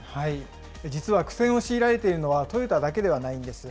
実は、苦戦を強いられているのはトヨタだけではないんです。